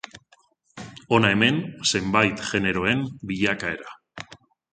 Hona hemen zenbait generoen bilakaera.